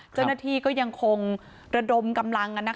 เจ้าหน้าที่ก็ยังคงระดมกำลัง